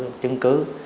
không có cái chứng cứ